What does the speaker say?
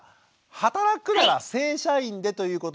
働くなら正社員でということ。